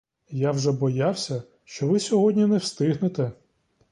Я вже боявся, що ви сьогодні не встигнете.